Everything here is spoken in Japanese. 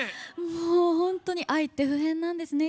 本当に愛って不変なんですね。